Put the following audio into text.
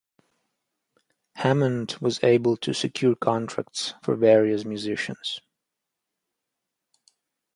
Hammond was able to secure contracts for various musicians.